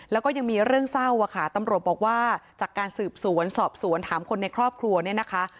แล้วก็ยังมีเรื่องเศร้าอะค่ะตำรวจบอกว่าจากการสืบสวนสอบสวนถามคนในครอบครัวเนี่ยนะคะ